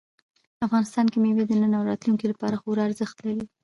افغانستان کې مېوې د نن او راتلونکي لپاره خورا ارزښت لري.